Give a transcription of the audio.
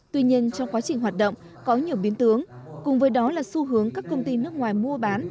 tuy nhiên trong quá trình hoạt động có nhiều biến tướng cùng với đó là xu hướng các công ty nước ngoài mua bán